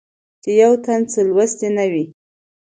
چې يو تن څۀ لوستي نۀ وي